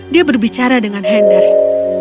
dia berbicara dengan henders